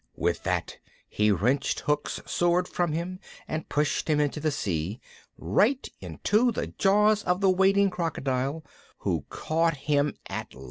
With that he wrenched Hook's sword from him and pushed him into the sea, right into the jaws of the waiting crocodile, who caught him at last.